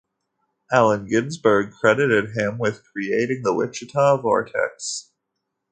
Allen Ginsberg credited him with creating the Wichita Vortex.